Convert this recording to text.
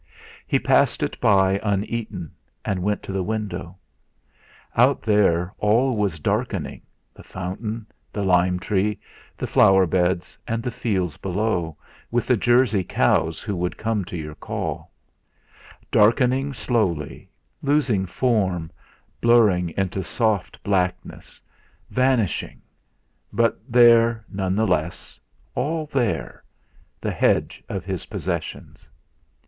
He passed it by uneaten, and went to the window. Out there all was darkening, the fountain, the lime tree, the flower beds, and the fields below, with the Jersey cows who would come to your call; darkening slowly, losing form, blurring into soft blackness, vanishing, but there none the less all there the hedge of his possessions.